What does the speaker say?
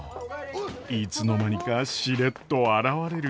いつの間にかしれっと現れる賢秀。